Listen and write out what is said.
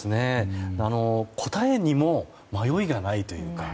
答えにも迷いがないというか。